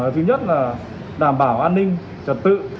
thứ nhất là đảm bảo an ninh trật tự